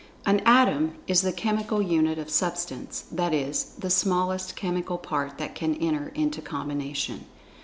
An "Atom" is the chemical unit of Substance—that is, the smallest chemical part that can enter into combination.